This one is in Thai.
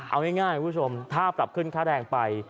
เอาง่ายคุณผู้ชมถ้าปรับขึ้นค่าแรงไป